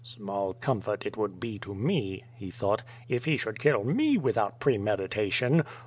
"Small comfort it would be to me/' he thought, "if he should kill me without premeditation.